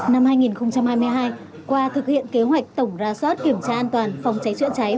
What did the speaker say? năm hai nghìn hai mươi hai qua thực hiện kế hoạch tổng ra soát kiểm tra an toàn phòng cháy chữa cháy